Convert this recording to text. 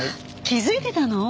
気づいてたの？